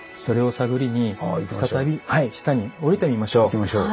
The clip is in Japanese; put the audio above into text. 行きましょう。